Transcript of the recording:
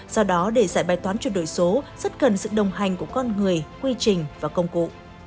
do đó để giải bài toán chuyển đổi số rất cần sự đồng hành của con người quy trình và công cụ